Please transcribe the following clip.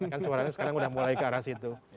kan suaranya sekarang udah mulai ke arah situ